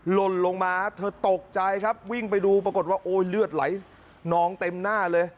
หล่นลงมาเธอตกใจครับวิ่งไปดูปรากฏว่าโอ้ยเลือดไหลนองเต็มหน้าเลย